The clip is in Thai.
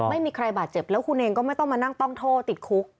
ไม่มีใครบาดเจ็บแล้วคุณเองก็ไม่ต้องมานั่งต้องโทษติดคุก